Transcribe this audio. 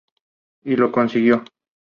Y lo consiguió.